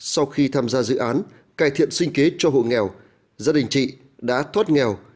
sau khi tham gia dự án cải thiện sinh kế cho hộ nghèo gia đình chị đã thoát nghèo